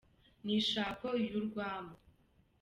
Ni ishako y’urwamo